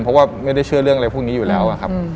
เพราะว่าไม่ได้เชื่อเรื่องอะไรพวกนี้อยู่แล้วครับ